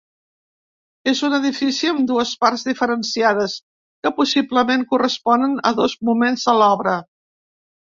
És un edifici amb dues parts diferenciades que possiblement corresponen a dos moments d'obra.